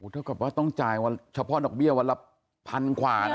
ถ้าเกิดว่าต้องจ่ายเฉพาะดอกเบี้ยวันละ๑๐๐๐บาทขวานะ